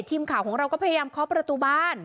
ทีมข่าวของเราก็พยายามเคาะประตูบ้าน